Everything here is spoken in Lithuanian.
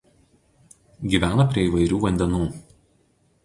Gyvena prie įvairių vandenų.